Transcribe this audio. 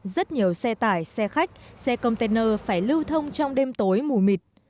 rất nhiều xe tải xe khách xe container phải lưu thông trong đêm tối mù mịt